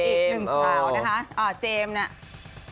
อีกหนึ่งสาวนะคะเจมส์เนี่ย